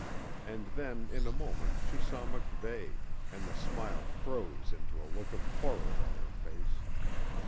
And then in a moment she saw MacVeigh, and the smile froze into a look of horror on her face.